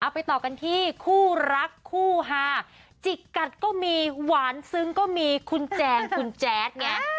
ไปต่อกันที่คู่รักคู่ฮาจิกกัดก็มีหวานซึ้งก็มีคุณแจงคุณแจ๊ดไง